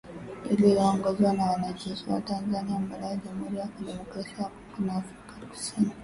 Iliyoongozwa na wanajeshi wa Tanzania, Malawi, Jamhuri ya kidemokrasia ya Kongo na Afrika kusini.